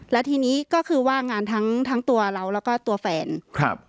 แล้วทีนี้ก็คือว่างงานทั้งทั้งตัวเราแล้วก็ตัวแฟนครับ